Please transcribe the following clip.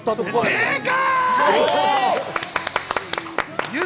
正解！